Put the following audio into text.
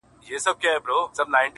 درته ایښي د څپلیو دي رنګونه!!